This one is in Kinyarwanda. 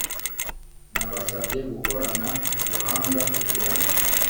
Nabasabye gukorana ubuhanga kugira